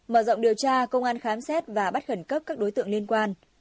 mở rộng điều tra công an khám xét và bắt khẩn cấp các đối tượng liên quan